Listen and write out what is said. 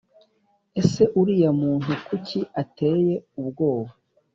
Ese uriya muntu kuki ateye ubwoba